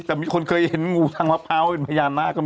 แต่มีคนเคยเห็นงูทางมะพร้าวเป็นพญานาคก็มี